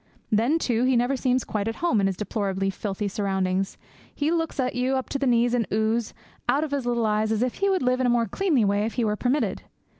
Then, too, he never seems quite at home in his deplorably filthy surroundings; he looks at you, up to the knees in ooze, out of his little eyes as if he would live in a more cleanly way if he were permitted.